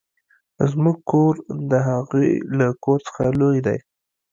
زموږ کور د هغوې له کور څخه لوي ده.